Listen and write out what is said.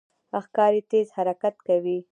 ښکاري تېز حرکت کوي.